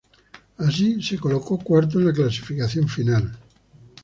Así, se colocó cuarto en la clasificación final.